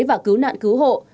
và cứu nạn cứu hộ